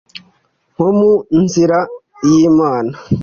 Nko mu nzira yimana